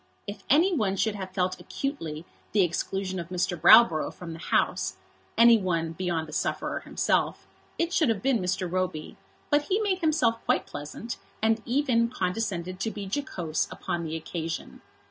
If any one should have felt acutely the exclusion of Mr. Browborough from the House, any one beyond the sufferer himself, it should have been Mr. Roby; but he made himself quite pleasant, and even condescended to be jocose upon the occasion.